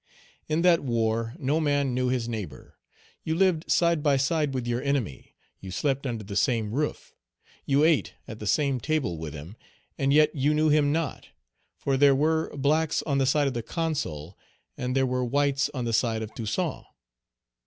In that war no man knew his neighbor; you lived side by side with your enemy; you slept under the same roof; you ate at the same table with him, and yet you knew him not; for there were blacks on the side of the Consul, and there were whites on the side of Toussaint.